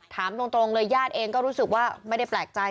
ถามตรงเลยญาติเองก็รู้สึกว่าไม่ได้แปลกใจ